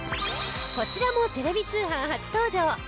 こちらもテレビ通販初登場！